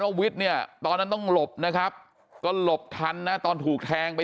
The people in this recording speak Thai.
วิทย์เนี่ยตอนนั้นต้องหลบนะครับก็หลบทันนะตอนถูกแทงไป